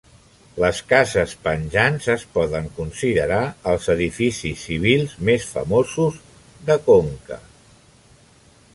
Les cases penjants es poden considerar els edificis civils més famosos de Conca.